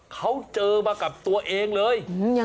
เขาเจอมากับตัวเองเลย